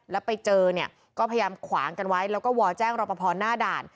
แล้วไปเจอเนี่ยก็พยายามขวางกันไว้แล้วก็วอลแจ้งรอปภหน้าด่าน